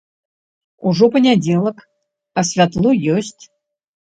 Ужо панядзелак, а святло ёсць.